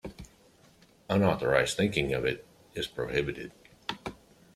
Unauthorized thinking of it is prohibited.